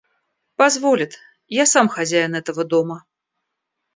Позволит. Я сам хозяин этого дома.